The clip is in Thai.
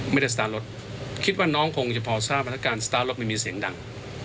ไม่ได้สตาร์ทรถคิดว่าน้องคงจะพอทราบสถานการณ์สตาร์ทรถไม่มีเสียงดัง